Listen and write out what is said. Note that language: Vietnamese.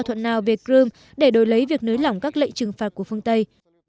thỏa thuận nào về crimea để đổi lấy việc nới lỏng các lệnh trừng phạt của phương tây